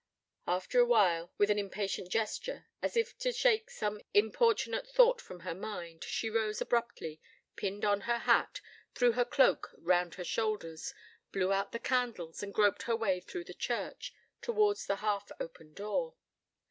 After a while, with an impatient gesture, as if to shake some importunate thought from her mind, she rose abruptly, pinned on her hat, threw her cloak round her shoulders, blew out the candles, and groped her way through the church, towards the half open door.